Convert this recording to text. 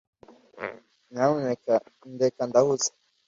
Nyamuneka ndeke. Ndahuze.